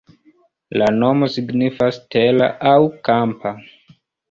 La nomo signifas tera aŭ kampa.